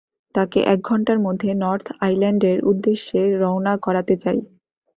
তাকে এক ঘন্টার মধ্যে নর্থ আইল্যান্ডের উদ্দেশ্যে রওনা করাতে চাই।